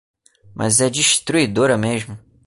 Mas é destruidora mesmo